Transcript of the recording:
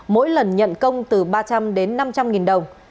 mỗi lần nhận công từ ba trăm linh đến năm trăm linh nghìn đồng